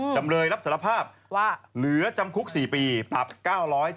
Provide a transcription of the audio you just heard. จำเลยรับสารภาพว่าเหลือจำคุก๔ปีปรับ๙๐